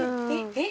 えっ？